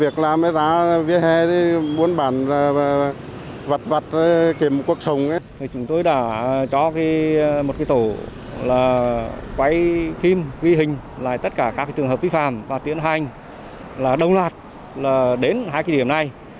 chúng tôi đã cho một tổ quay phim vi hình tất cả các trường hợp vi phạm và tiến hành đông loạt đến hai kỳ điểm này